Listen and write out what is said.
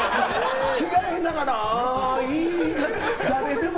着替えながらも。